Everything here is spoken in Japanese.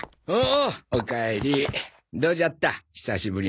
おお？